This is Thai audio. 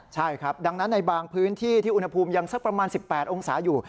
ใช่ครับดังนั้นในบางพื้นที่ที่อุณหภูมิยังสักประมาณ๑๘องศาอยู่